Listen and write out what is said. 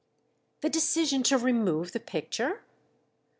"The decision to remove the picture?"